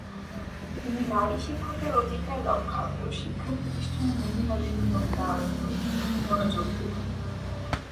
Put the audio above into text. তিনি নারী শিক্ষকের অধিকার রক্ষা ও শিক্ষাপ্রতিষ্ঠানে মহিলাদের নিয়োগ দেওয়া উপর মনোযোগ দিতেন।